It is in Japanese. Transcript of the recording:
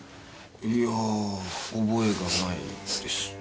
いやぁ覚えがないです。